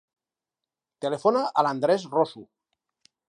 Telefona a l'Andrés Rosu.